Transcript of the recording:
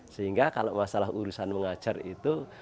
sehingga kalau masalah urusan mengajar itu